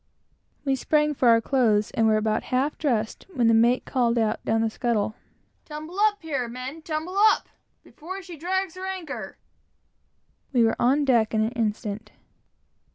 We sprang up for our clothes, and were about halfway dressed, when the mate called out, down the scuttle, "Tumble up here, men! tumble up! before she drags her anchor." We were on deck in an instant.